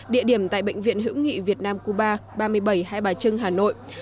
địa điểm tại bệnh viện hữu nghị việt nam cuba ba mươi bảy hai bà trưng hà nội